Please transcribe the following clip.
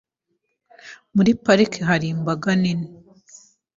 Muri parike hari imbaga nini .